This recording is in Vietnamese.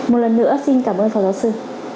một lần nữa xin cảm ơn phó giáo sư